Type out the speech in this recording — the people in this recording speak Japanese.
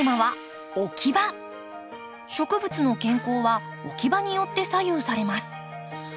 植物の健康は置き場によって左右されます。